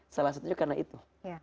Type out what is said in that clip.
salah satunya karena itu